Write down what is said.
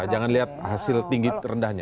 jangan lihat hasil tinggi rendahnya